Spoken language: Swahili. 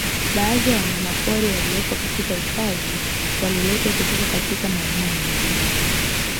Baadhi ya wanyamapori waliopo katika hifadhi waliletwa kutoka katika maeneo mengine